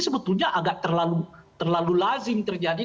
sebetulnya agak terlalu lazim terjadi